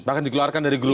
bahkan dikeluarkan dari grup